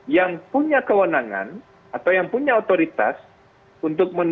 yang punya kewenangan atau yang punya otoritas untuk menentukan